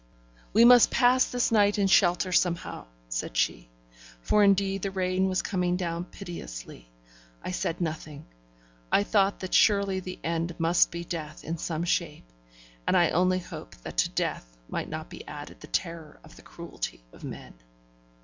'We must pass this night in shelter, somehow,' said she. For indeed the rain was coming down pitilessly. I said nothing. I thought that surely the end must be death in some shape; and I only hoped that to death might not be added the terror of the cruelty of men.